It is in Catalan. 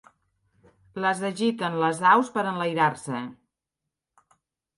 Les agiten les aus per enlairar-se.